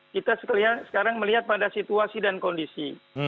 kita sekarang melihat pada situasi dan kondisi